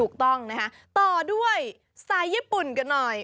ถูกต้องนะคะต่อด้วยสไตล์ญี่ปุ่นกันหน่อย